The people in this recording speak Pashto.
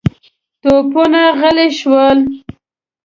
توپونه غلي شول.